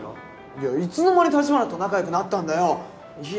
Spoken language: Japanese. いやいつの間に橘と仲良くなったんだよ？